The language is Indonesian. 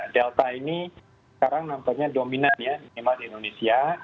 delta ini sekarang nampaknya dominan ya minimal di indonesia